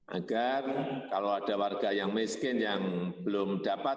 agar kalau ada warga yang miskin yang belum dapat